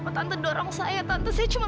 atau ke pantai asuwa